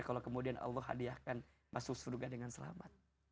kalau kemudian allah hadiahkan masuk surga dengan selamat